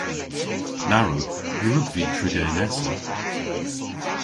Na wrug. Ny wrug vy triga yn Essa.